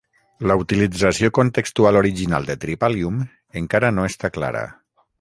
La utilització contextual original de "tripalium" encara no està clara.